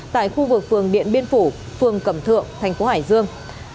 tại khu vực phường điện biên phủ phường cẩm thượng thành phố hải dương